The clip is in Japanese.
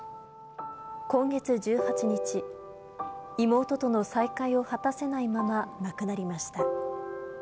今月１８日、妹との再会を果たせないまま亡くなりました。